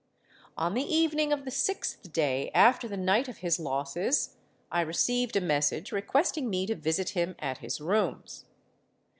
On the evening of the sixth day after the night of his losses, I received a message requesting me to visit him at his rooms.